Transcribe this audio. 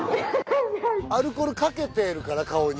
アルコールかけてるから顔に。